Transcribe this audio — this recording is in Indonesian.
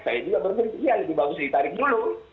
saya juga berpikir ya lebih bagus ditarik dulu